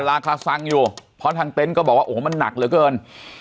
ราคาซังอยู่เพราะทางเต็นต์ก็บอกว่าโอ้โหมันหนักเหลือเกิน